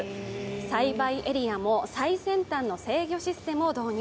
栽培エリアも最先端の制御システムを導入。